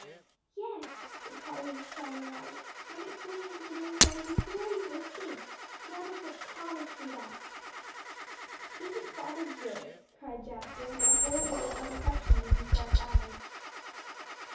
"Yes," said Polly, with shining eyes, "and it's going into the new home the very first thing. Grandpapa promised me that." "Isn't father good!" cried Jasper, a whole world of affection in his dark eyes.